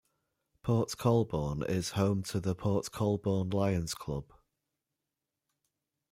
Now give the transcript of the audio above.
Port Colborne is home to the Port Colborne Lions Club.